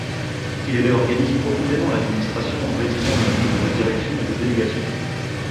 Il réorganise profondément l'administration en réduisant le nombre de directions et de délégations.